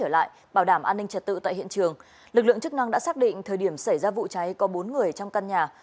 lực lượng chức năng đã xác định thời điểm xảy ra vụ cháy có bốn người trong căn nhà